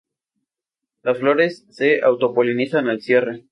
Las flores se auto-polinizan al cierre.